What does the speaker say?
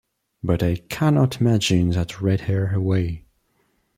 But I cannot imagine that red hair away.